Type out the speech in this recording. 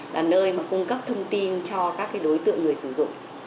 là nơi mà cung cấp thông tin cho các đối tượng người sử dụng